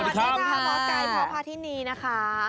รับทราบคนหมอไก่พ้าขวาพาถินนี่นะคะ